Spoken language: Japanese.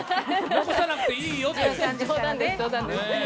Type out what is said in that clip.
残さなくていいよって。